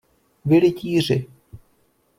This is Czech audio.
Vy rytíři!